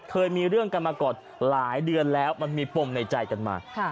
เคยมีเรื่องกันมาก่อนหลายเดือนแล้วมันมีปมในใจกันมา